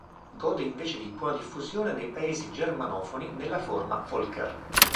Gode invece di buona diffusione nei paesi germanofoni, nella forma "Volker".